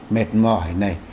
mệt mỏi này